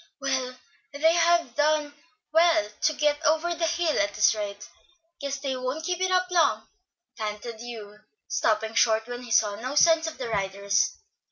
"Well, they have done well to get over the hill at this rate. Guess they won't keep it up long," panted Hugh, stopping short when he saw no signs of the riders.